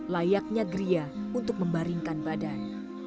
layaknya gria untuk membaringkan badan